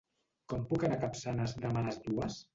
Com puc anar a Capçanes demà a les dues?